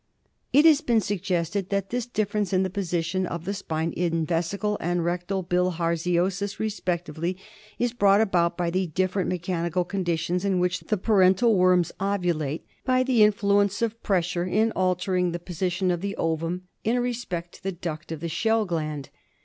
It has been suggested that this difference in the position of the spine in vesical and rectal bilharziosis respectively i s brought about by the different me chanical condi tions in which the parental worms ovulate, by the influence of pressure in altering the posi tion of the ovum in respect to the duct of the shell gland.